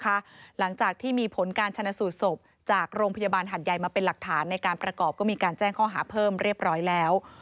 หลังจากที่มีผลการชนะสูตรศพจากโรงพยาบาลหัดใหญ่มาเป็นหลักฐานในการประกอบก็มีการแจ้งข้อหาเพิ่มเรียบร้อยแล้ว